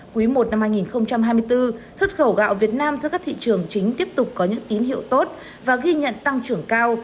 quý i năm hai nghìn hai mươi bốn xuất khẩu gạo việt nam ra các thị trường chính tiếp tục có những tín hiệu tốt và ghi nhận tăng trưởng cao